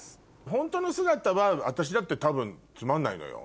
ホントの姿は私だって多分つまんないのよ。